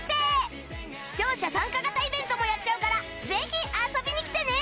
視聴者参加型イベントもやっちゃうからぜひ遊びに来てね